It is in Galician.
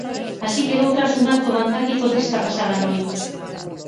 Así quedou tras un acto vandálico desta pasada noite.